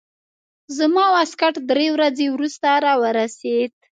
زما واسکټ درې ورځې وروسته راورسېد.